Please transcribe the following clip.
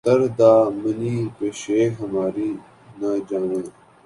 ''تر دامنی پہ شیخ ہماری نہ جائیو